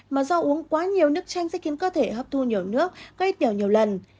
mà do uống quá nhiều nước chanh sẽ khiến cơ thể hấp thu nhiều nước gây tiểu nhiều lần